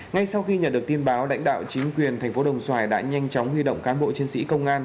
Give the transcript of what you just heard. ngay sau khi nhận được tin báo lãnh đạo chính quyền thành phố đồng xoài đã nhanh chóng huy động cán bộ chiến sĩ công an